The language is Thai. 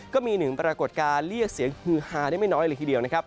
ก็มีหนึ่งปรากฏการณ์เรียกเสียงฮือฮาได้ไม่น้อยเลยทีเดียวนะครับ